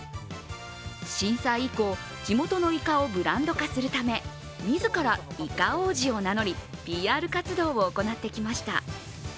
震災以降、地元のイカをブランド化するため自らイカ王子を名乗り、ＰＲ活動を行ってきました。